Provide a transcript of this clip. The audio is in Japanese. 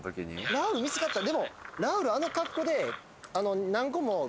ラウール見つかったん？